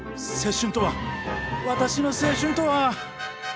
青春とは私の青春とは。